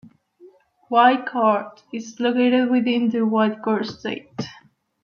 Whitecourt is located within the Whitecourt-Ste.